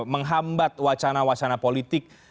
menghambat wacana wacana politik